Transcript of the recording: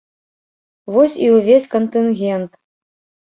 Вось і ўвесь кантынгент.